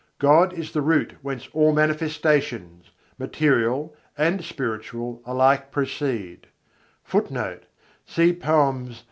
God is the Root whence all manifestations, "material" and "spiritual," alike proceed; [Footnote: Nos.